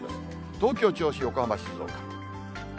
東京、銚子、横浜、静岡。